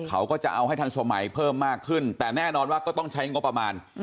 เขาก็จะเอาให้ทันสมัยเพิ่มมากขึ้นแต่แน่นอนว่าก็ต้องใช้งบประมาณ